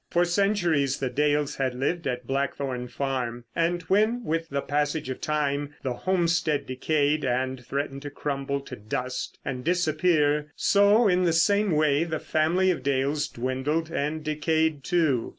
For centuries the Dales had lived at Blackthorn Farm, and when with the passage of time the homestead decayed and threatened to crumble to dust and disappear, so, in the same way, the family of Dales dwindled and decayed, too.